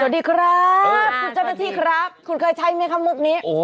สวัสดีครับคุณเจ้าหน้าที่ครับคุณเคยใช้ไหมคะมุกนี้